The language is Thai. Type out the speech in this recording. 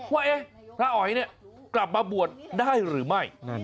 ว่าไอ้พระอ๋อยเนี่ยกลับมาบวชได้หรือไม่